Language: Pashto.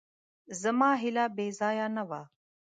زما هیله بېځایه نه وه.